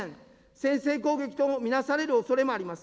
先制攻撃と見なされるおそれもあります。